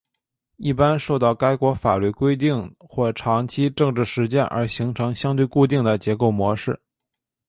一般受到该国法律规定或长期政治实践而形成相对固定的结构模式。